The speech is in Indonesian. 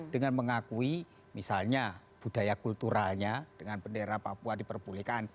dengan mengakui misalnya budaya kulturalnya dengan bendera papua diperbolehkan